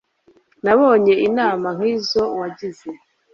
nabonye inama nkizo wagize